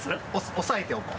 押さえておこう。